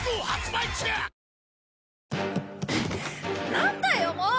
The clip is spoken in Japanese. なんだよもう！